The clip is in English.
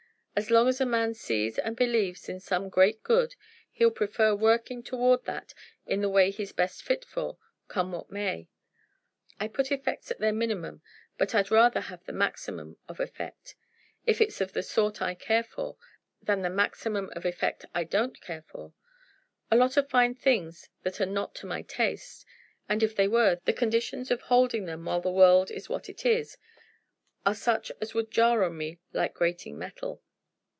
As long as a man sees and believes in some great good, he'll prefer working toward that in the way he's best fit for, come what may. I put effects at their minimum, but I'd rather have the maximum of effect, if it's of the sort I care for, than the maximum of effect I don't care for a lot of fine things that are not to my taste and if they were, the conditions of holding them while the world is what it is, are such as would jar on me like grating metal."